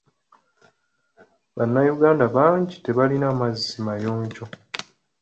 Bannayuganda bangi tebalina mazzi mayonjo.